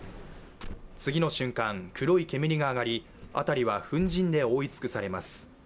次の瞬間の黒い煙が上がり、辺りは粉じんで覆い尽くされます。